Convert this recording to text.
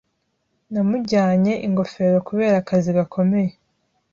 Namujyanye ingofero kubera akazi gakomeye.